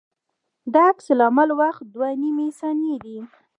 د عکس العمل وخت دوه نیمې ثانیې دی